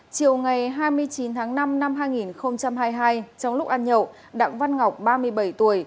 chiều ngày hai mươi chín tháng năm năm hai nghìn hai mươi hai trong lúc ăn nhậu đặng văn ngọc ba mươi bảy tuổi